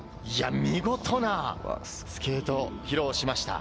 見事なスケートを披露しました。